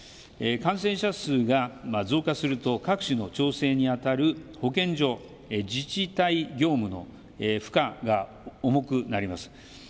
感染者数が増加すると各種の調整にあたる保健所、自治体業務の負荷が重くなります。